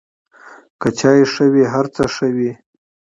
که چای ښه وي، هر څه ښه وي.